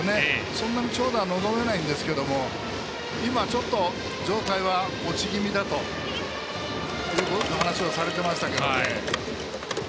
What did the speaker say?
そんなに長打望めないんですけども今、ちょっと状態は落ち気味だと話をされていましたけどね。